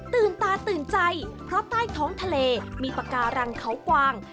ตาตื่นใจเพราะใต้ท้องทะเลมีปากการังเขากวาง